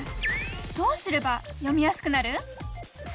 どうすれば読みやすくなる？